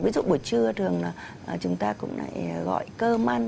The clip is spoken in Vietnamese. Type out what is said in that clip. ví dụ buổi trưa thường là chúng ta gọi cơm ăn